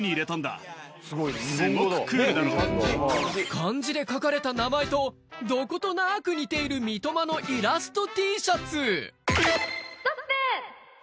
漢字で書かれた名前とどことなく似ている三笘のイラストＴシャツ